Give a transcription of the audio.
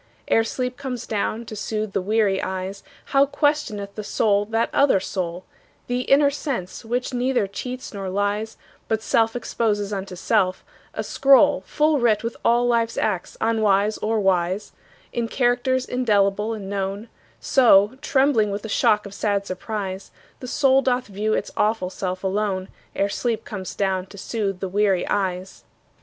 Ere sleep comes down to soothe the weary eyes, How questioneth the soul that other soul, The inner sense which neither cheats nor lies, But self exposes unto self, a scroll Full writ with all life's acts unwise or wise, In characters indelible and known; So, trembling with the shock of sad surprise, The soul doth view its awful self alone, Ere sleep comes down to soothe the weary eyes.